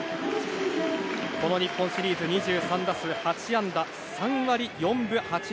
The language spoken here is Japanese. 日本シリーズ２３打数８安打３割４分８厘。